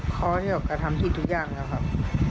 เพราะที่เขาก็ทำที่ทุกอย่างแล้วครับ